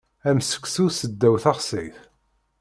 Am seksu seddaw texsayt.